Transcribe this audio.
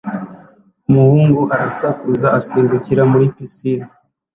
Umuhungu arasakuza asimbukira muri pisine